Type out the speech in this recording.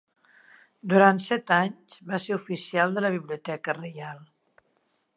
Durant set anys va ser oficial de la Biblioteca Reial.